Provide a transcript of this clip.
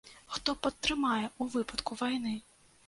Хто падтрымае ў выпадку вайны?